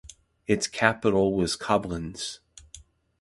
Its capital was Koblenz.